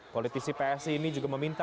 politisi psi ini juga meminta